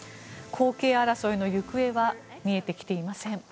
後継争いの行方は見えてきていません。